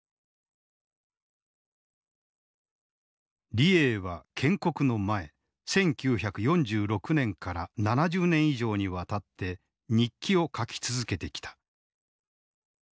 李鋭は建国の前１９４６年から７０年以上にわたって日記を書き続けてきた。